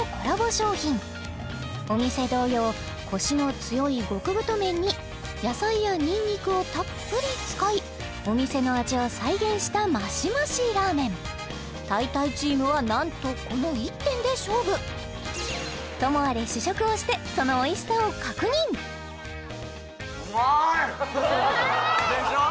商品お店同様コシの強い極太麺に野菜やニンニクをたっぷり使いお店の味を再現したマシマシラーメンたいたいチームは何とこの１点で勝負ともあれ試食をしてそのおいしさを確認うまいでしょ？